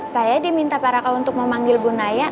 saya diminta para kau untuk memanggil bu naya